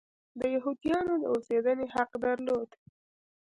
د یهودیانو د اوسېدنې حق درلود.